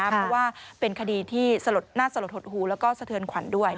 เพราะว่าเป็นคดีที่น่าสลดหดหูแล้วก็สะเทือนขวัญด้วย